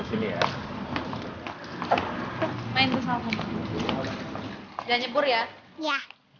jangan nyepur ya